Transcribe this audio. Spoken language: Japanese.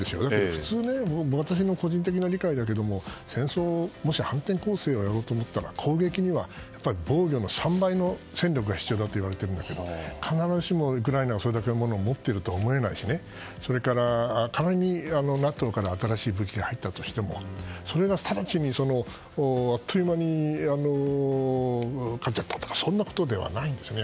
普通、私の個人的な理解だけど戦争、もし反転攻勢をやろうと思ったら攻撃には防御の３倍の戦力が必要だといわれているんだけど必ずしもウクライナはそれだけのものを持っているとは思えないしそれから仮に、ＮＡＴＯから新しい武器が入ったとしてもそれで直ちに、あっという間に勝っちゃったとかそんなことではないんですね。